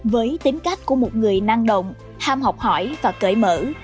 với tính cách của một người năng động ham học hỏi và cởi mở